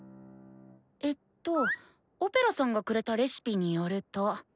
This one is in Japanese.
えっとオペラさんがくれたレシピによると。